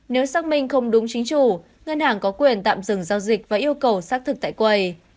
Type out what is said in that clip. nếu xác minh không đúng chính chủ ngân hàng có quyền tạm dừng giao dịch và yêu cầu xác thực tại quầy